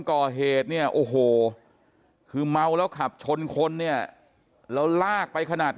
ก่อเหตุเนี่ยโอ้โหคือเมาแล้วขับชนคนเนี่ยแล้วลากไปขนาด